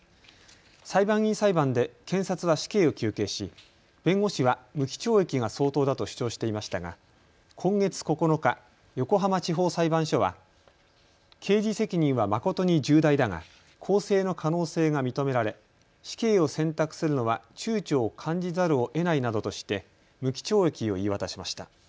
裁判員裁判で検察は死刑を求刑し弁護士は無期懲役が相当だと主張していましたが今月９日、横浜地方裁判所は刑事責任は誠に重大だが更生の可能性が認められ死刑を選択するのはちゅうちょを感じざるをえないなどとして無期懲役を言い渡しました。